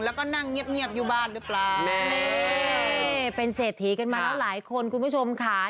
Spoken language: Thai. แล้วก็นั่งเงียบอยู่บ้านหรือเปล่านี่เป็นเศรษฐีกันมาแล้วหลายคนคุณผู้ชมค่ะ